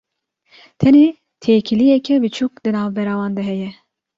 tenê têkiliyeke biçûk di navbera wan de heye.